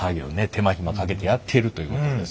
手間暇かけてやっているということですよ。